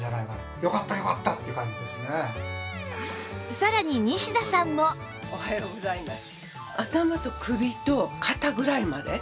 さらに西田さんもおはようございます。